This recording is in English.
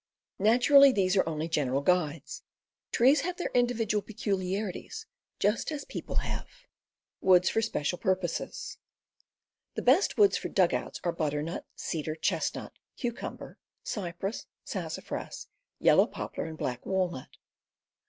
AXEMANSHIP 265 Naturally, these are only general guides. Trees have their individual peculiarities, just as people have. The best woods for dugouts are butternut, cedar, chestnut, cucumber, cypress, sassafras, yellow poplar, and black walnut.